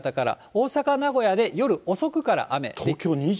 大阪、名古屋で夜遅くから雨。